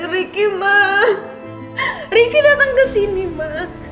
ricky ma ricky datang kesini ma